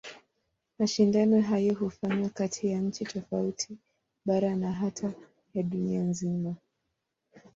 Mashindano hayo hufanywa kati ya nchi tofauti, bara na hata ya dunia nzima.